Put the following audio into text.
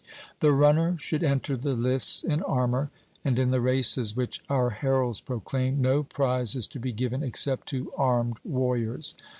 The runner should enter the lists in armour, and in the races which our heralds proclaim, no prize is to be given except to armed warriors.